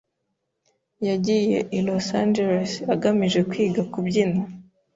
Yagiye i Los Angeles agamije kwiga kubyina.